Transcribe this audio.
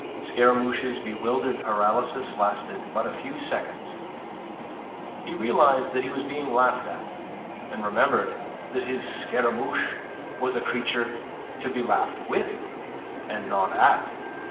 Scaramouche's bewildered paralysis lasted but a few seconds. He realized that he was being laughed at, and remembered that his Scaramouche was a creature to be laughed with, and not at.